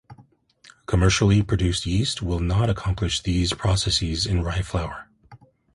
Commercially produced yeast will not accomplish these processes in rye flour.